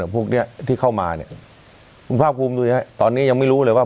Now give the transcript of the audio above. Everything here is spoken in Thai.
พวกนี้ที่เข้ามาเนี่ยคุณภาคภูมิดูสิฮะตอนนี้ยังไม่รู้เลยว่า